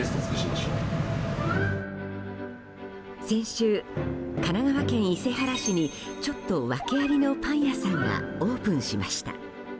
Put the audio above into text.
先週、神奈川県伊勢原市にちょっと訳ありのパン屋さんがオープンしました。